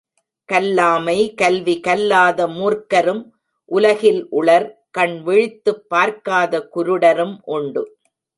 கல்லாமை கல்வி கல்லாத மூர்க்கரும் உலகில் உளர் கண் விழித்துப் பார்க்காத குருடரும் உண்டு.